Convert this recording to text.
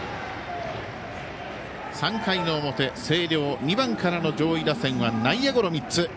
３回の表、星稜２番からの上位打線は内野ゴロ３つ。